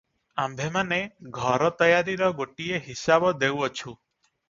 ଆମ୍ଭେମାନେ ଘର ତୟାରିର ଗୋଟିଏ ହିସାବ ଦେଉଅଛୁ